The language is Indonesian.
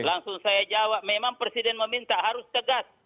langsung saya jawab memang presiden meminta harus tegas